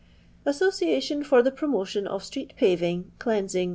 "Association for the Promotion of Street Paving, rieandng.